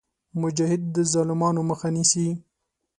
مجاهد د ظالمانو مخه نیسي.